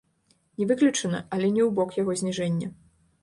Не выключана, але не ў бок яго зніжэння.